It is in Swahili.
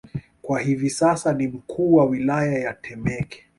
kwa sasa hivi ni mkuu wa wilaya ya Temeke